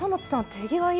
手際いい。